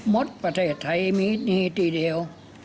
ดประเทศไทยมีดีทีเดียว